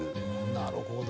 なるほど。